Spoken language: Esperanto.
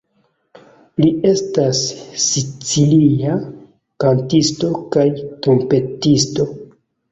Li estas sicilia kantisto kaj trumpetisto.